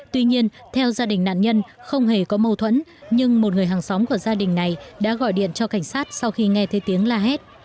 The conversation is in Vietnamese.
tuy nhiên theo gia đình nạn nhân không hề có mâu thuẫn nhưng một người hàng xóm của gia đình này đã gọi điện cho cảnh sát sau khi nghe thấy tiếng la hét